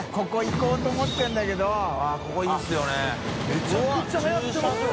めちゃくちゃはやってますよ。